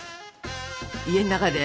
家の中で？